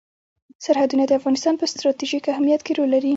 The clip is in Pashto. سرحدونه د افغانستان په ستراتیژیک اهمیت کې رول لري.